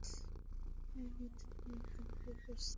Many, তুমি এখানে কী করছো?